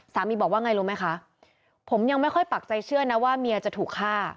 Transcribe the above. สามีบอกว่าไงรู้ไหมคะผมยังไม่ค่อยปักใจเชื่อนะว่าเมียจะถูกฆ่า